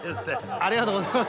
ありがとうございます！